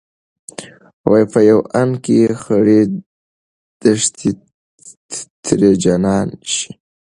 په يو آن کې خړې دښتې ترې جنان شي